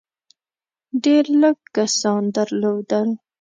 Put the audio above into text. ډېر لږ کسان درلودل.